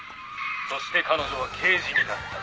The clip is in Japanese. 「そして彼女は刑事になった」